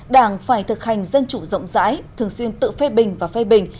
đảng phải thực hành dân chủ rộng rãi thường xuyên tự phê bình và phê bình